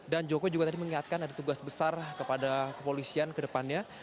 dan jokowi juga tadi mengingatkan ada tugas besar kepada kepolisian ke depannya